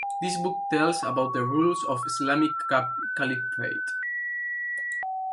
This book tells about the rules of Islamic caliphate.